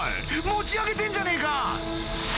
持ち上げてんじゃねえか！